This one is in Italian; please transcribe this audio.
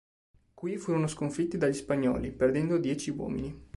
Qui furono sconfitti dagli spagnoli, perdendo dieci uomini.